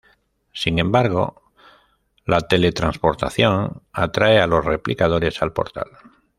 Sin embargo la teletransportación atrae a los replicadores al Portal.